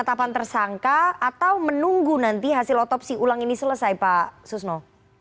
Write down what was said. penetapan tersangka atau menunggu nanti hasil otopsi ulang ini selesai pak susno